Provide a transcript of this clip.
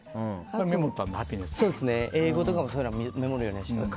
英語とかもそういうのはメモるようにしてます。